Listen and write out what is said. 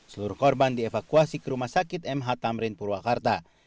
seluruh korban dievakuasi ke rumah sakit mh tamrin purwakarta